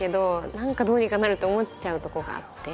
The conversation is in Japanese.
何かどうにかなるって思っちゃうとこがあって。